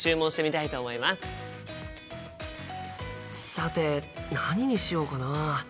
さて何にしようかな？